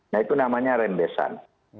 nah itu namanya rembesan